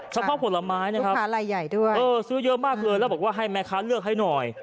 เฉพาะผลไม้นะครับขาลัยใหญ่ด้วยเออซื้อเยอะมากเลยแล้วบอกว่าให้แม่ค้าเลือกให้หน่อย